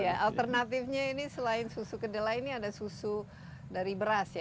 jadi alternatifnya ini selain susu kedelai ini ada susu dari beras ya